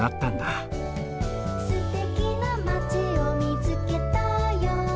「すてきなまちをみつけたよ」